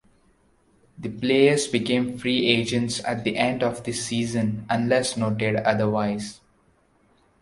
The players became free agents at the end of the season unless noted otherwise.